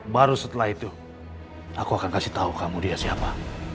baru setelah itu aku akan kasih tahu kamu dia siapa